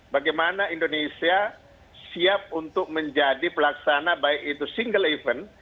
bagaimana indonesia siap untuk menjadi pelaksana baik itu single event